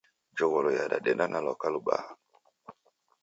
Njogholo yadadeda na lwaka lubaha.